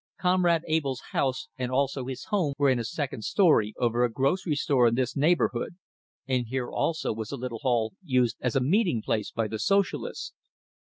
Comrade Abell's office and also his home were in a second story, over a grocery store in this neighborhood, and here also was a little hall used as a meeting place by the Socialists.